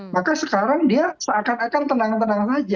maka sekarang dia seakan akan tenang tenangan saja